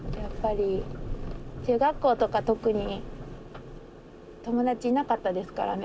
中学校とか特に友達いなかったですからね。